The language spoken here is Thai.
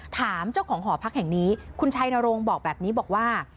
ถามเจ้าของหอพักแห่งนี้คุณชัยนรงค์บอกแบบนี้บอกว่า